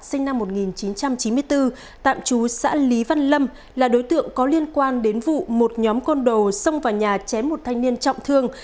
sinh năm một nghìn chín trăm chín mươi bốn tạm trú xã lý văn lâm là đối tượng có liên quan đến vụ một nhóm côn đồ xông vào nhà chém một thanh niên trọng thương